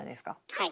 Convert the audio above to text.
はい。